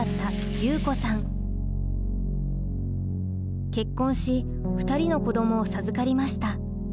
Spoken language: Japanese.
結婚し２人の子どもを授かりました。